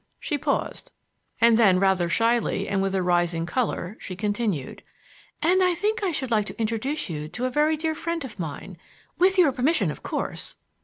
She paused, and then, rather shyly and with a rising color, she continued: "And I think I should like to introduce you to a very dear friend of mine with your permission, of course."